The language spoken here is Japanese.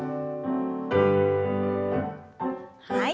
はい。